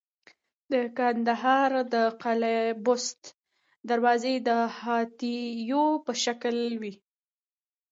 د کندهار د قلعه بست دروازې د هاتیو په شکل وې